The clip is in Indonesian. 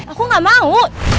aku gak mau